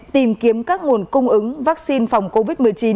tìm kiếm các nguồn cung ứng vaccine phòng covid một mươi chín